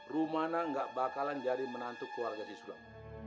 rumana gak bakalan jadi menantu keluarga di sulap